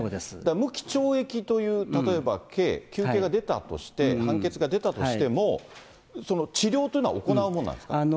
無期懲役という、例えば刑、求刑が出たとして、判決が出たとしても、治療というのは行うもんなんですか。